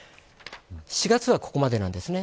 ４月はここまでなんですね。